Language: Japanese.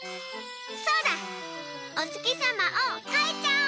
そうだおつきさまをかいちゃおう！